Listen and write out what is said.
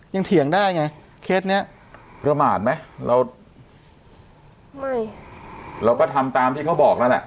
เถียงได้ไงเคสเนี้ยประมาทไหมเราไม่เราก็ทำตามที่เขาบอกแล้วแหละ